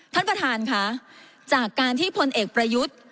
ท่านประธานค่ะจากการที่พลเอกประยุทธ์